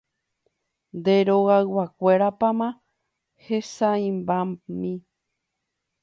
Nde rogayguakuérapa hesãimbami.